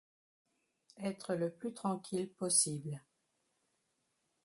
Être le plus tranquille possible.